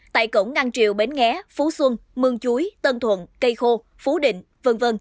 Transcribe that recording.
tại cổng ngăn triều bến nghé phú xuân mương chuối tân thuận cây khô phú định v v